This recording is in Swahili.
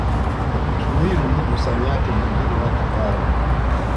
Kiwili ni msamiati mwingine wa Kipare